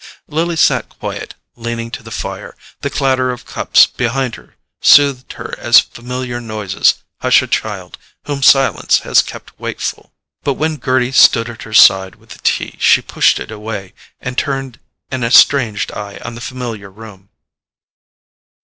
Lily sat quiet, leaning to the fire: the clatter of cups behind her soothed her as familiar noises hush a child whom silence has kept wakeful. But when Gerty stood at her side with the tea she pushed it away, and turned an estranged eye on the familiar room.